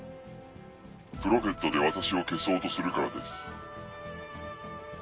プロフェットで私を消そうとするからです。